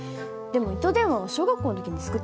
でも糸電話は小学校の時に作ったよ。